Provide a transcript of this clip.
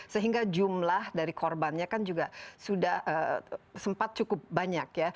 sehingga jumlah dari korbannya kan juga sudah sempat cukup banyak ya